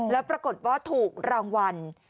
แล้วปรากฏว่าถูกรางวัล